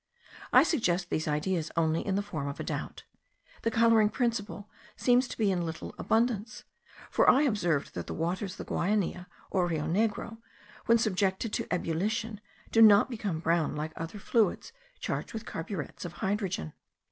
I suggest these ideas only in the form of a doubt. The colouring principle seems to be in little abundance; for I observed that the waters of the Guainia or Rio Negro, when subjected to ebullition, do not become brown like other fluids charged with carburets of hydrogen.